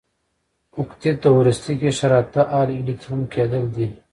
اوکتیت د وروستي قشر اته ال الکترونه کیدل دي.